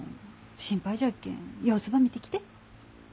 心配じゃっけん様子ば見てきて。